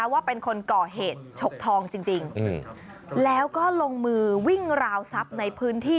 ว่าเป็นคนก่อเหตุฉกทองจริงแล้วก็ลงมือวิ่งราวทรัพย์ในพื้นที่